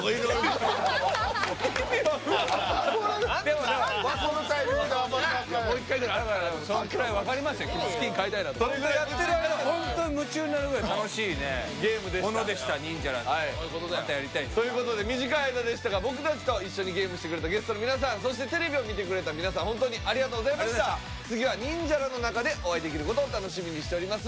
もう１回ぐらいあるかなと。ということで短い間でしたが僕たちと一緒にゲームしてくれたゲストの皆さんそしてテレビを見てくれた皆さん本当にありがとうございました次はニンジャラの中でお会いできることを楽しみにしております。